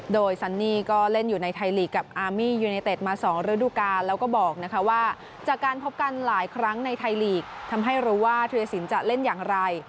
โดยซันนี่ก็เล่นอยู่ในไทยลีกกับอามียูเนเต็ดมา๒ฤดูกาลแล้วก็บอกว่าจากการพบกันหลายครั้งในไทยลีกทำให้รู้ว่าธุรสินจะเล่นอย่างไร